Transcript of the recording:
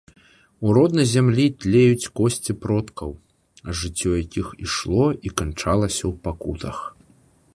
У роднай зямлі тлеюць косці продкаў, жыццё якіх ішло і канчалася ў пакутах.